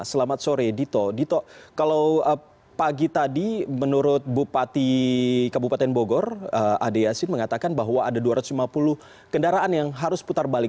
selamat sore dito dito kalau pagi tadi menurut bupati kabupaten bogor ade yasin mengatakan bahwa ada dua ratus lima puluh kendaraan yang harus putar balik